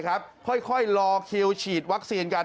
ค่อยรอคิวฉีดวัคซีนกัน